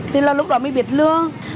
thì là lúc đó mới biết lương